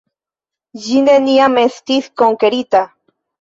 Ĝi neniam estis konkerita.